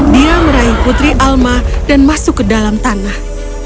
dia meraih putri alma dan masuk ke dalam tanah